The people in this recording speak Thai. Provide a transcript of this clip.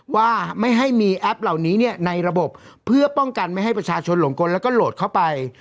ว่าไม่ให้มีแอปเหล่านี้ในระบบเพื่อป้องกันไม่ให้ประชาชนหลงกลแล้วก็โหลดเข้าไป